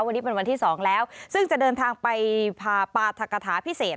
วันนี้เป็นวันที่สองแล้วซึ่งจะเดินทางไปพาปราธกฐาพิเศษ